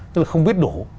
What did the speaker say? tức là không biết đủ